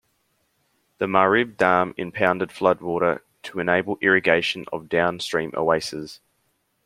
The Ma'rib dam impounded floodwater to enable irrigation of downstream oases.